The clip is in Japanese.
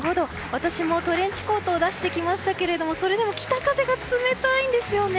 私もトレンチコートを出してきましたけれどもそれでも北風が冷たいんですよね。